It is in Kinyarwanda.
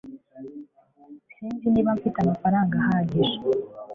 Sinzi niba mfite amafaranga ahagije